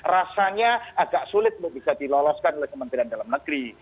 rasanya agak sulit untuk bisa diloloskan oleh kementerian dalam negeri